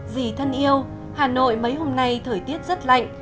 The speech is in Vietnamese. gì thân yêu hà nội mấy hôm nay thời tiết rất lạnh